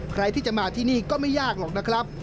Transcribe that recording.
ใครที่จะมาที่นี่ก็ไม่ยากหรอกนะครับ